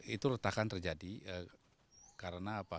itu retakan terjadi karena apa